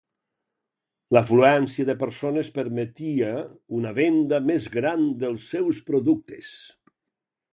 L'afluència de persones permetia una venda més gran dels seus productes.